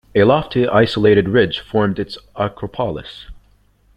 A lofty isolated ridge formed its acropolis.